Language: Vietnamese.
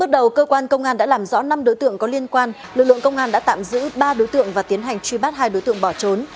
ba đối tượng và tiến hành truy bắt hai đối tượng bỏ trốn